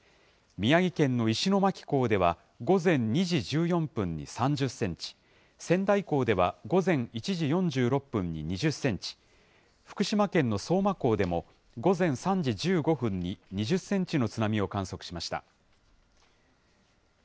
宮城県の石巻港では、午前２時１４分に３０センチ、仙台港では午前１時４６分に２０センチ、福島県の相馬港でも午前３時１５分に２０センチの津波を観測しました。